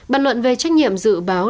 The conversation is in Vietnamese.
bản luận về trách nhiệm dự báo